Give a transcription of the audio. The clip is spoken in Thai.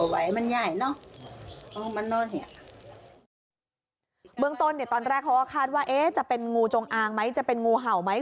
เวิร์นต้นตอนแรกเขาก็คาดว่าจะเป็นงูจงอ่างไหมจะเป็นงูเห่าไหม